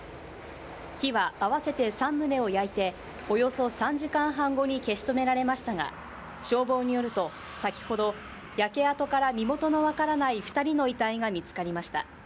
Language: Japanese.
火は合わせて３棟を焼いて、およそ３時間半後に消し止められましたが、消防によると先ほど焼け跡から身元の分からない２人の遺体が見つかりました。